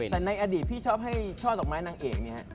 แต่ในอดีตพี่ชอบให้ช่อดอกไม้นางเอกเนี่ย